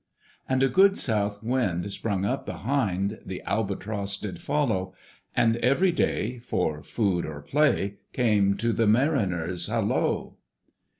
And a good south wind sprung up behind; The Albatross did follow, And every day, for food or play, Came to the mariners' hollo!